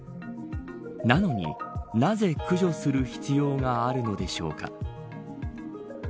なのに、なぜ駆除する必要があるのでしょうか。